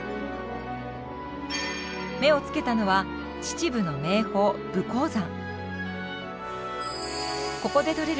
目をつけたのは秩父の名峰武甲山。